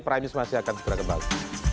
primis masih akan segera kembali